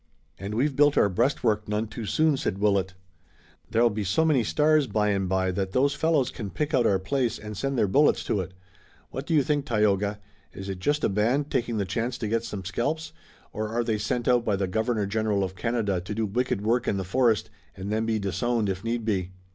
"And we've built our breastwork none too soon," said Willet. "There'll be so many stars by and by that those fellows can pick out our place and send their bullets to it. What do you think, Tayoga? Is it just a band taking the chance to get some scalps, or are they sent out by the Governor General of Canada to do wicked work in the forest and then be disowned if need be?"